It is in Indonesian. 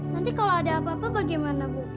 nanti kalau ada apa apa bagaimana bu